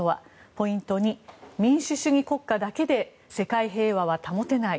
ポイント２、民主主義国家だけで世界平和は保てない。